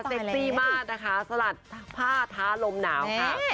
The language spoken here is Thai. เซ็กซี่มากนะคะสลัดผ้าท้าลมนาว